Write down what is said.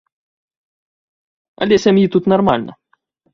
Але сям'і тут нармальна.